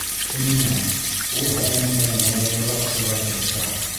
Ғөмүмән, ул һәр нәмәлә малайҙарға оҡшарға тырыша.